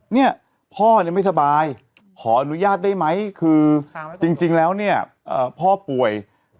เนี่ยพ่อเนี่ยไม่สบายขออนุญาตได้ไหมคือจริงแล้วเนี่ยพ่อป่วย